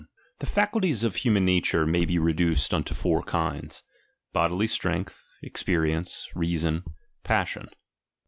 The faculties of human nature may be reduced chap. i. ''Dto four kinds ; bodily strength, experience, rea j^^^^^y^__ Son, passion.